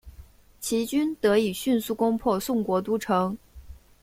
齐军得以迅速攻破宋国都城。